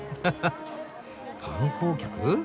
観光客？